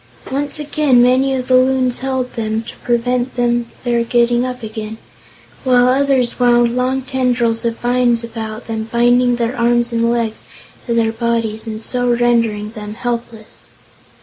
Once down, many of the Loons held them, to prevent their getting up again, while others wound long tendrils of vines about them, binding their arms and legs to their bodies and so rendering them helpless.